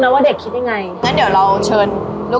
มีขอเสนออยากให้แม่หน่อยอ่อนสิทธิ์การเลี้ยงดู